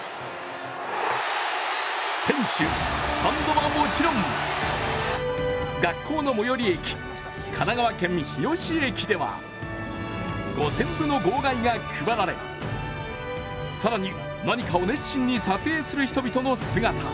選手、スタンドはもちろん、学校の最寄り駅、神奈川県日吉駅では、５０００部の号外が配られ更に何かを熱心に撮影する人々の姿。